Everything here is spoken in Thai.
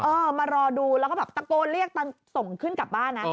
มารอดูแล้วก็แบบตะโกนเรียกตอนส่งขึ้นกลับบ้านนะ